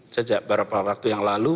sejak beberapa waktu yang lalu